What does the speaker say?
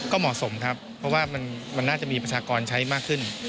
ก็เหมาะสมครับเพราะว่ามันน่าจะมีประชากรใช้มากขึ้น